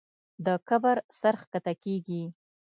د کبر سر ښکته کېږي.